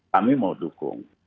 kami mau dukung